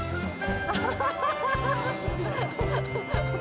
アハハハハ。